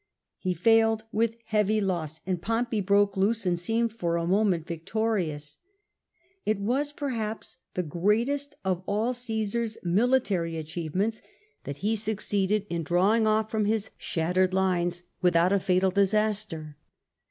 He failed with heavy loss, and Pompey broke loose, and seemed for a moment victorious. It was perhaps the ^eatest of all Cmsar's military achievements that he succeeded in drawing off frotn Ms shattered linos without 330 CiESAR a fatal disaster.